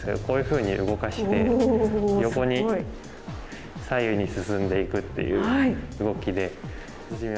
こういうふうに動かして横に左右に進んでいくっていう動きで。